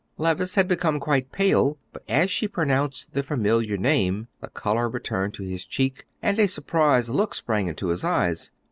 "Levice had become quite pale, but as she pronounced the familiar name, the color returned to his cheek, and a surprised look sprang into his eyes.